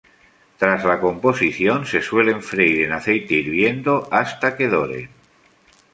Tras la composición se suelen freír en aceite hirviendo hasta que doren.